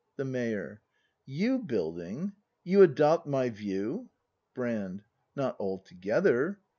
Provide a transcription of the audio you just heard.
The Mayor. You building ? You adopt my view ? Brand. Not altogether.